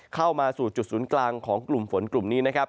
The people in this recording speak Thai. เข้ามาสู่จุดศูนย์กลางของกลุ่มฝนกลุ่มนี้นะครับ